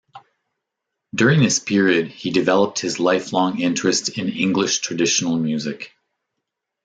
During this period he developed his lifelong interest in English traditional music.